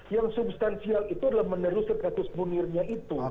yang substansial itu adalah meneruskan kreatus bunirnya itu